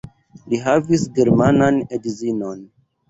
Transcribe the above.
Li havis germanan edzinon.